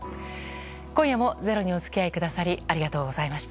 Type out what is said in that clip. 今夜も「ｚｅｒｏ」にお付き合いくださりありがとうございました。